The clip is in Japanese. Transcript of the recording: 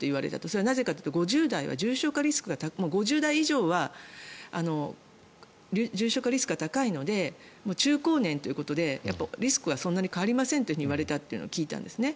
それはなぜかというと５０代以上は重症化リスクが高いので中高年ということでリスクはそんなに変わりませんと言われたと聞いたんですね。